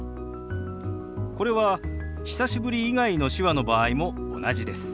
これは「久しぶり」以外の手話の場合も同じです。